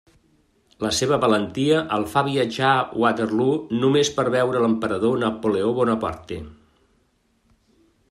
La seva valentia el fa viatjar a Waterloo només per veure l'Emperador Napoleó Bonaparte.